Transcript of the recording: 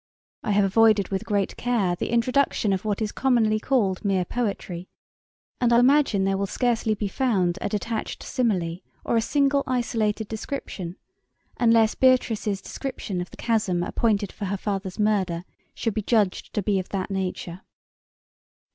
... 'I have avoided with great care the introduction of what is commonly called mere poetry, and I imagine there will scarcely be found a detached simile or a single isolated description, unless Beatrice's description of the chasm appointed for her father's murder should be judged to be of that nature.'